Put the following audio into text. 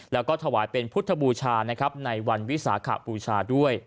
และถวายเป็นพุทธบูชาในวันวิสาขาบูชา